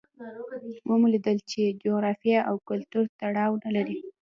ومو لیدل چې جغرافیې او کلتور تړاو نه لري.